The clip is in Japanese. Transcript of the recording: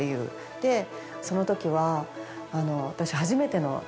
でそのときは私。